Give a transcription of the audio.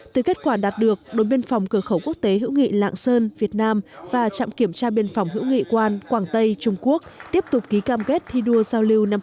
từ kết quả đạt được đồn biên phòng cửa khẩu quốc tế hữu nghị lạng sơn việt nam và trạm kiểm tra biên phòng hữu nghị quan quảng tây trung quốc tiếp tục ký cam kết thi đua giao lưu năm hai nghìn hai mươi